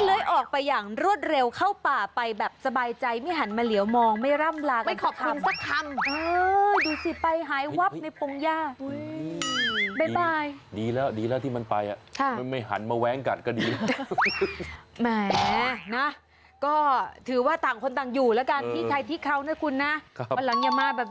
น้องไปเลยรวดเลยพี่ไปเลยโอ๊ย